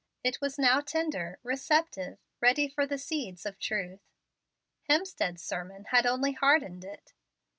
It was now tender, receptive, ready for the seeds of truth. Hemstead's sermon had only hardened it.